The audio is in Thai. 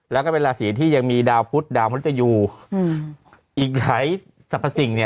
แล้วก็เป็นราศีที่ยังมีดาวพุทธดาวมฤตยูอีกไหนสัปดาห์สิ่ง